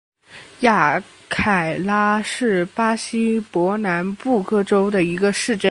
雅凯拉是巴西伯南布哥州的一个市镇。